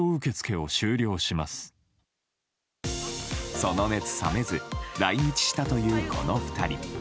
その熱冷めず来日したというこの２人。